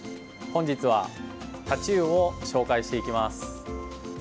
本日はタチウオを紹介していきます。